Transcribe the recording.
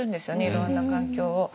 いろんな環境を。